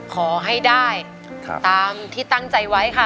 ขอให้ได้ตามที่ตั้งใจไว้ค่ะ